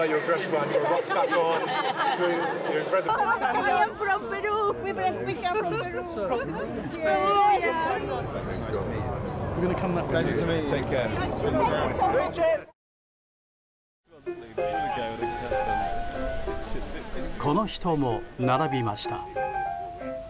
この人も並びました。